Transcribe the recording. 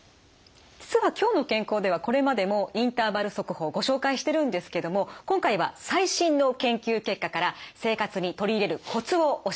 実は「きょうの健康」ではこれまでもインターバル速歩をご紹介してるんですけども今回は最新の研究結果から生活に取り入れるコツを教えていただきます。